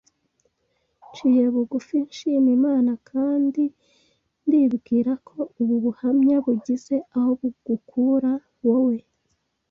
Nciye bugufi nshima Imana, kandi ndibwira ko ubu buhamya bugize aho bugukura wowe